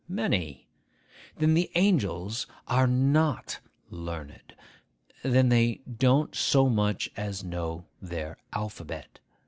Many. Then the angels are not learned; then they don't so much as know their alphabet.